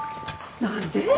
何で？